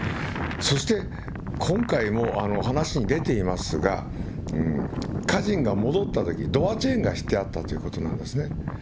そして、今回も話に出ていますが、家人が戻ったとき、ドアチェーンがしてあったということなんですね。